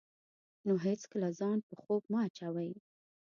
نو هېڅکله ځان په خوب مه اچوئ.